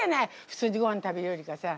普通にごはん食べるよりかさ。